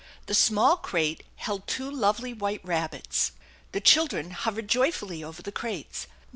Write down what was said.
The small crate held two lovely white rabbits. The children hovered joyfully over the crates.